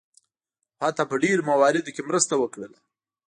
او حتی په ډیرو مواردو کې مرسته وکړله.